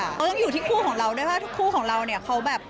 ต้องอยู่ที่คู่ของเราด้วยเพราะว่าทุกคู่ของเราเนี่ยเขาแบบ